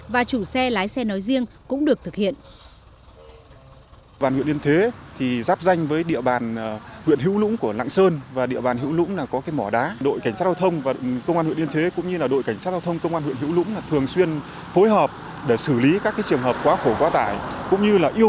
và chủ xe lái xe nói riêng cũng được thực hiện